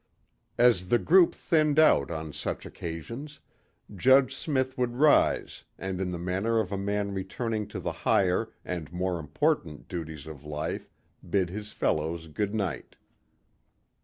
As the group thinned out on such occasions Judge Smith would rise and in the manner of a man returning to the higher and more important duties of life bid his fellows good night.